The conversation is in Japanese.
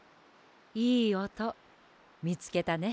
いいおとみつけたね。